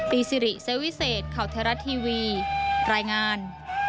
ซิริเซวิเศษข่าวไทยรัฐทีวีรายงาน